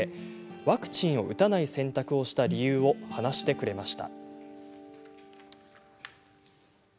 ワクチンを打たない選択をした理由を話してくれました。